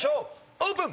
オープン！